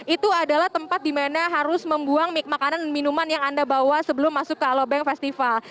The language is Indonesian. itu adalah tempat di mana harus membuang makanan dan minuman yang anda bawa sebelum masuk ke alobank festival